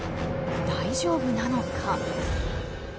大丈夫なのか？